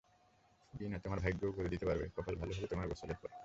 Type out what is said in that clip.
জিনা তোমার ভাগ্যও পড়ে দিতে পারবে, কপাল ভালো হলে, তোমার গোসলের পরে।